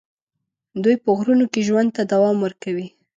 دوی په غرونو کې ژوند ته دوام ورکوي.